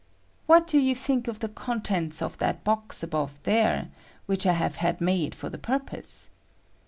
What do you think of the contenta of that box above there which I have had made for the purpose?